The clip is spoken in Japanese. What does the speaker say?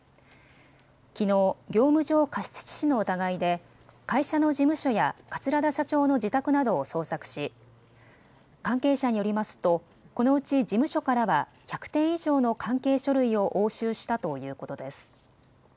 きのう業務上過失致死の疑いで会社の事務所や桂田社長の自宅などを捜索し関係者によりますと、このうち事務所からは１００点以上の関係書類を押収したということです。